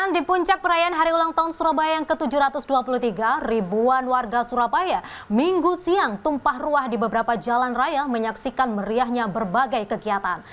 di puncak perayaan hari ulang tahun surabaya yang ke tujuh ratus dua puluh tiga ribuan warga surabaya minggu siang tumpah ruah di beberapa jalan raya menyaksikan meriahnya berbagai kegiatan